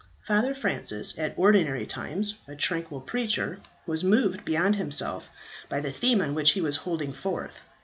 Father Francis, at ordinary times a tranquil preacher, was moved beyond himself by the theme on which he was holding forth.